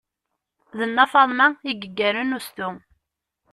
D nna Faḍma i yeggaren ustu.